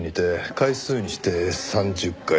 回数にして３０回。